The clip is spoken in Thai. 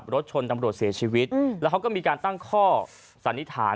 รถชนตำรวจเสียชีวิตแล้วเขาก็มีการตั้งข้อสันนิษฐาน